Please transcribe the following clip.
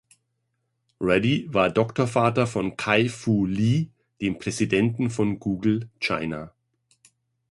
Reddy war Doktorvater von Kai-Fu Lee, dem Präsidenten von Google China.